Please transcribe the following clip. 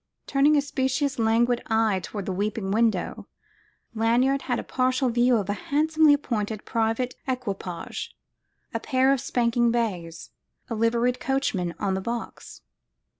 Turning a speciously languid eye toward the weeping window, Lanyard had a partial view of a handsomely appointed private equipage, a pair of spanking bays, a liveried coachman on the box.